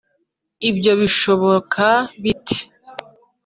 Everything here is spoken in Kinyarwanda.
ibyo bishoboka bite